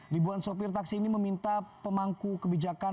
ribuan sopir taksi ini meminta pemangku kebijakan